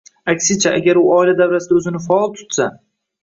Aksincha, agar u oila davrasida o‘zini faol tutsa